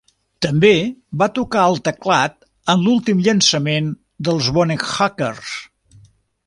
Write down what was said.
També va tocar el teclat en l'últim llançament dels Boneshakers.